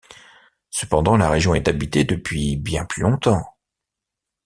Cependant, la région est habitée depuis bien plus longtemps.